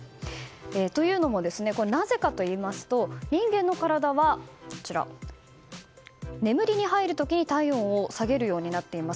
というのも、なぜかといいますと人間の体は眠りに入る時に体温を下げるようになっています。